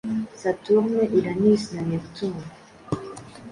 Saturne, Uranus na Neptune